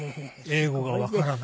英語がわからない。